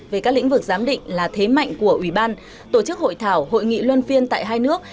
về các lĩnh vực giám định là thế mạnh của ủy ban tổ chức hội thảo hội nghị luân phiên tại hai nước